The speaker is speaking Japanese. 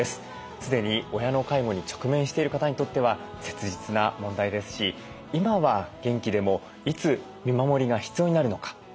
既に親の介護に直面している方にとっては切実な問題ですし今は元気でもいつ見守りが必要になるのかといった不安はありますよね。